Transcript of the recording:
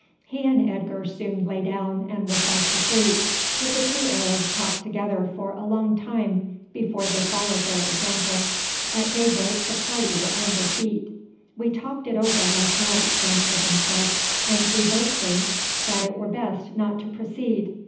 He and Edgar soon lay down and were fast asleep, but the two Arabs talked together for a long time before they followed their example. At daybreak the party were on their feet. "We talked it over last night," Ben Ibyn said; "and we both think that it were best not to proceed.